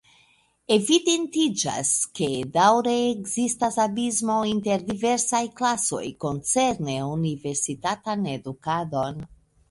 Evidentiĝas, ke daŭre ekzistas abismo inter diversaj klasoj koncerne universitatan edukadon.